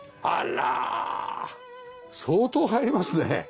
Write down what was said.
あら相当入りますね。